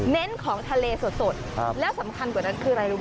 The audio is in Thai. ของทะเลสดแล้วสำคัญกว่านั้นคืออะไรรู้ไหม